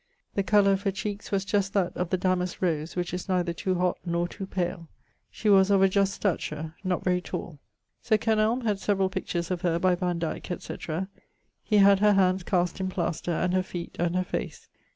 The colour of her cheekes was just that of the damaske rose, which is neither too hott nor too pale. She was of a just stature, not very tall. Sir Kenelme had severall pictures of her by Vandyke, &c.[LXXI.] He had her hands cast in playster, and her feet, and her face.